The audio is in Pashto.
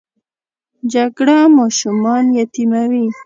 جګړه ماشومان یتیموي